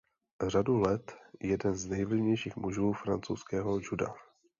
Řadu let jeden z nejvlivnějších mužů francouzského juda.